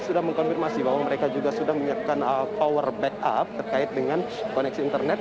sudah mengkonfirmasi bahwa mereka juga sudah menyiapkan power backup terkait dengan koneksi internet